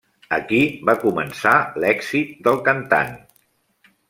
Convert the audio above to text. Aquí va començar l'èxit del cantant.